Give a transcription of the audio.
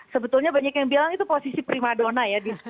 sebetulnya banyak yang bilang itu posisi prima donna ya di sepuluh